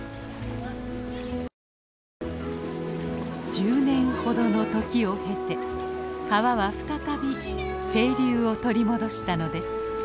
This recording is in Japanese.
１０年ほどの時を経て川は再び清流を取り戻したのです。